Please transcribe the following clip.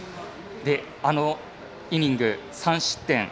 あのイニング、３失点。